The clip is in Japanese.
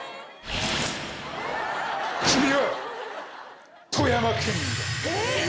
君は富山県民だ！